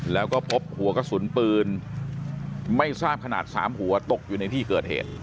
แล้วก็พบหัวกระสุนปืนไม่ทราบขนาด๓หัวตกอยู่ในที่เกิดเหตุ